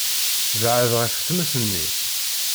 Beεεed ɣef tmes-nni.